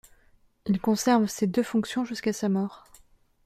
Il conserve ces deux fonctions jusqu'à sa mort.